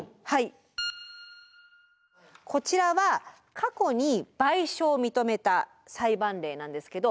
こちらは過去に賠償を認めた裁判例なんですけど